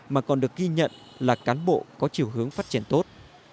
mà còn được ghi nhận là cán bộ có chiều hướng phát triển tốt